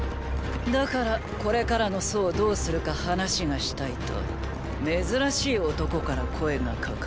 だからこれからの楚をどうするか話がしたいと珍しい男から声がかかった。